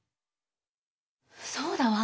そうだわ。